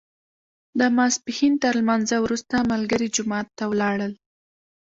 د ماسپښین تر لمانځه وروسته ملګري جومات ته ولاړل.